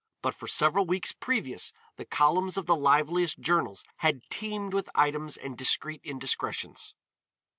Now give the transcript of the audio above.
But for several weeks previous the columns of the liveliest journals had teemed with items and discreet indiscretions.